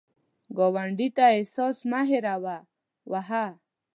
ګاونډي ته احسان مه هېر وهه